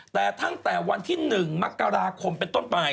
แต่ตั้งแต่วันที่๑มกราคมเป็นต้นไป